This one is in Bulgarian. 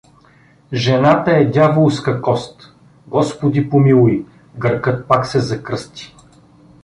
Жената е дяволска кост… Господи, помилуй… Гъркът се пак закръсти.